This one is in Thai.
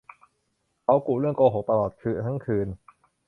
เขากุเรื่องโกหกตลอดทั้งคืน